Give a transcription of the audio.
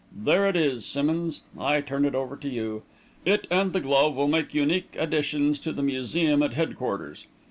There it is, Simmonds; I turn it over to you. It and the glove will make unique additions to the museum at headquarters.